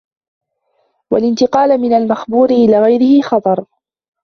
وَالِانْتِقَالَ مِنْ الْمَخْبُورِ إلَى غَيْرِهِ خَطَرٌ